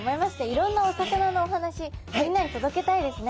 いろんなお魚のお話みんなに届けたいですね。